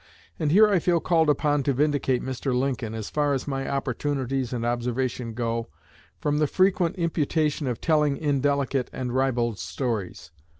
And here I feel called upon to vindicate Mr. Lincoln, as far as my opportunities and observation go, from the frequent imputation of telling indelicate and ribald stories.